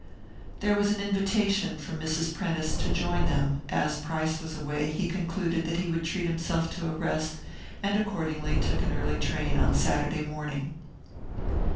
There was an invitation from Mrs. Prentice to him to join them; as Price was away, he concluded that he would treat himself to a rest, and accordingly took an early train on Saturday morning.